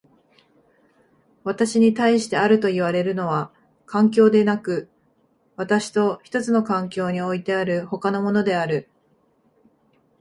私に対してあるといわれるのは環境でなく、私と一つの環境においてある他のものである。